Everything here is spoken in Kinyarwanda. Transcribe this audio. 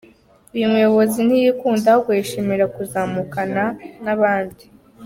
Uyu muyobozi ntiyikunda ahubwo yishimira kuzamukana n’abandi.